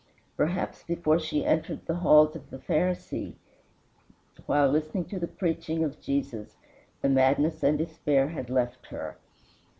Perhaps before she entered the halls of the Pharisee, while listening to the preaching of Jesus, the madness and despair had left her.